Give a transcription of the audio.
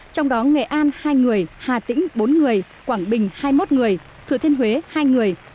trong đó nghệ an hai người hà tĩnh bốn người quảng bình hai mươi một người thừa thiên huế hai người